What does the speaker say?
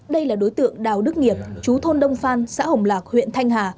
đây là đối tượng đào đức nghiệp chú thôn đông phan xã hồng lạc huyện thanh hà